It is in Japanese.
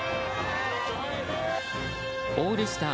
オールスター